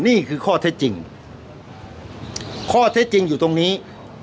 นี่คือข้อเท็จจริงข้อเท็จจริงอยู่ตรงนี้